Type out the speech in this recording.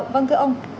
vâng thưa ông